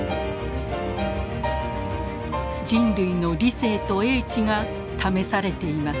人類の理性と英知が試されています。